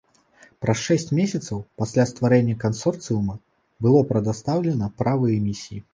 Праз шэсць месяцаў пасля стварэння кансорцыума было прадастаўлена права эмісіі.